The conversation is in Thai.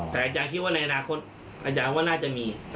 แต่อาจารย์คิดว่าในอนาคตอาจารย์ว่าน่าจะมี